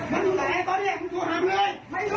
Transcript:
มันอยู่ไหนตอนนี้มึงถูกถามเลย